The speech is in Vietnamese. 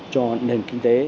cho nền kinh tế